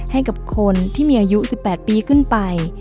ให้กับคนที่มีอายุ๑๘ปีขึ้นไป